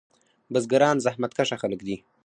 بزګران زحمت کشه خلک دي.